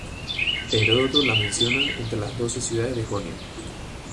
Heródoto la menciona entre las doce ciudades de Jonia.